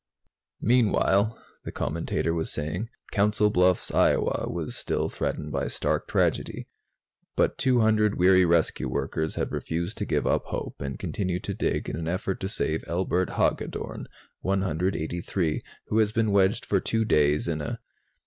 "Meanwhile," the commentator was saying, "Council Bluffs, Iowa, was still threatened by stark tragedy. But 200 weary rescue workers have refused to give up hope, and continue to dig in an effort to save Elbert Haggedorn, 183, who has been wedged for two days in a